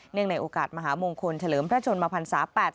เนื่องในโอกาสมหาโมงคลเฉลิมพระชนมาพันศาสตร์